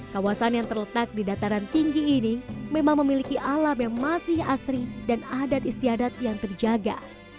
kawasan yang terletak di dataran tinggi ini memang memiliki alam yang masih asri dan adat istiadat yang terjaga